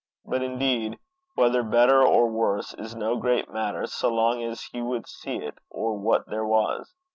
But, indeed, whether better or worse is no great matter, so long as he would see it or what there was.